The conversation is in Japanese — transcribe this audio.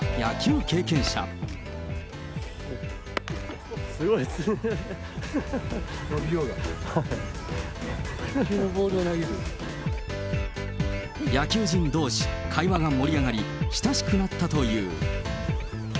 野球人どうし、会話が盛り上がり、親しくなったという。